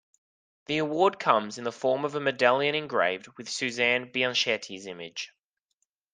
The award comes in the form of a medallion engraved with Suzanne Bianchetti's image.